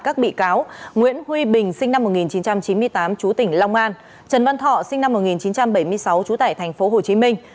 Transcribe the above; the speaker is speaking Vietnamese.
các bị cáo nguyễn huy bình sinh năm một nghìn chín trăm chín mươi tám chú tỉnh long an trần văn thọ sinh năm một nghìn chín trăm bảy mươi sáu trú tại thành phố hồ chí minh